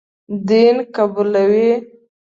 دین قبولوي.